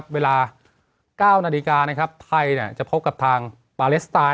เวลา๙นาฬิกาไทยจะพบกับทางปาเลสไตน